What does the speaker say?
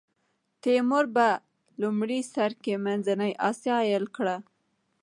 تیمور په لومړي سر کې منځنۍ اسیا ایل کړه.